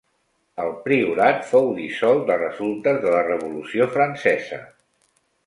El priorat fou dissolt de resultes de la Revolució Francesa.